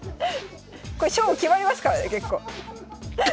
これ勝負決まりますからね結構。